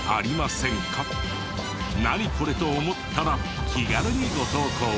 「ナニコレ？」と思ったら気軽にご投稿を。